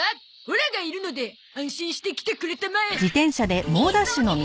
オラがいるので安心して来てくれたまえ。